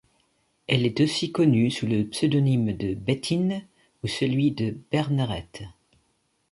Elle est aussi connue sous le pseudonyme de Bettine ou celui de Bernerette.